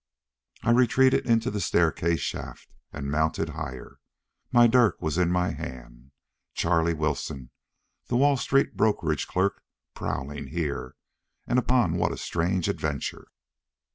I retreated into the staircase shaft and mounted higher. My dirk was in my hand. Charlie Wilson, the Wall Street brokerage clerk, prowling here! And upon what a strange adventure!